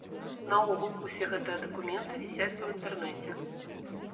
Наогул усе гэтыя дакументы вісяць у інтэрнэце.